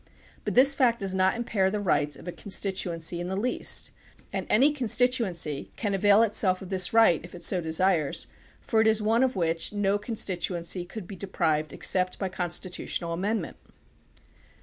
But this fact does not impair the rights of a constituency in the least, and any constituency can avail itself of this right if it so desires, for it is one of which no con stituency could be deprived except by constitutional amendment.